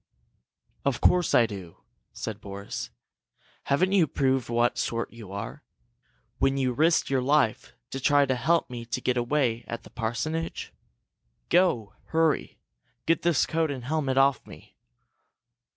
"Of course I do!" said Boris. "Haven't you proved what sort you are, when you risked your life to try to help me to get away at the parsonage? Go! Hurry! Get this coat and helmet off me!"